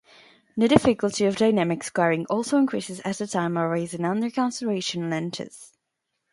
The difficulty of dynamic scoring also increases as the time horizon under consideration lengthens.